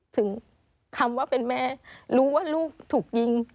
ถึงคำว่าเป็นแม่รู้ว่าลูกถูกยิง